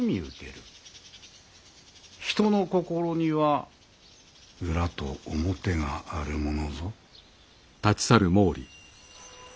人の心には裏と表があるものぞ。